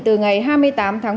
từ ngày hai mươi tám tháng một mươi